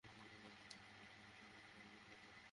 আমি ওকে খুঁজে বের করে এর শোধ নেবো।